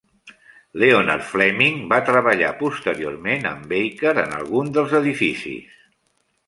Leonard Fleming va treballar posteriorment amb Baker en alguns dels edificis.